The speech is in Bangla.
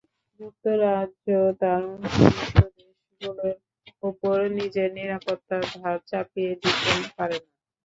যুক্তরাজ্য তার মিত্রদেশগুলোর ওপর নিজের নিরাপত্তার ভার চাপিয়ে দিতে পারে না।